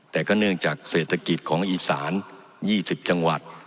แต่ก็เนื่องจากเศรษฐกิจของอีสาน๒๐จังหวัด